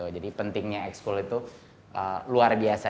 jadi pentingnya x school itu luar biasa